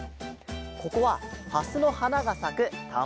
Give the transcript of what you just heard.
ここはハスのはながさくたんぼだよ。